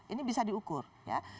ini bisa diukur ya